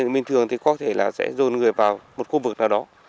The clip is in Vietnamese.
bình thường thì có thể là sẽ dồn người vào một khu vực nào đó